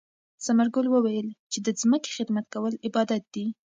ثمر ګل وویل چې د ځمکې خدمت کول عبادت دی.